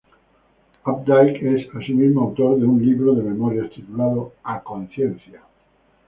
Updike es, asimismo, autor de un libro de memorias titulado "A conciencia".